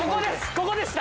ここでした。